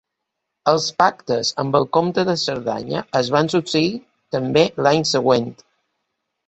Els pactes amb el comte de Cerdanya es van succeir també l’any següent.